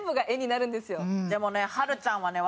でもねはるちゃんはね